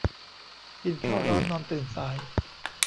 กินข้าวร้อนนอนตื่นสาย